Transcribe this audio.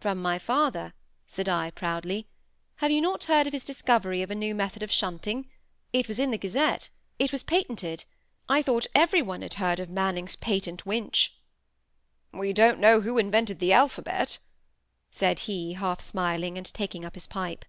"From my father," said I, proudly. "Have you not heard of his discovery of a new method of shunting? It was in the Gazette. It was patented. I thought every one had heard of Manning's patent winch." "We don't know who invented the alphabet," said he, half smiling, and taking up his pipe.